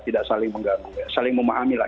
tidak saling mengganggu ya saling memahami lah